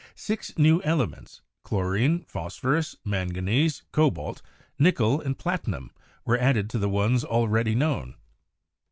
Six new ele ments — chlorine, phosphorus, manganese, cobalt, nickel and platinum — were added to the ones already known.